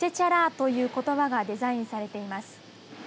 ということばがデザインされています。